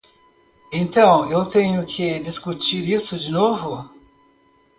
Então eu tenho que discutir isso de novo.